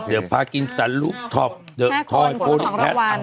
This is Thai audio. เดี๋ยวพากินสันลูฟท็อปเดอะคอยโฟรีแพท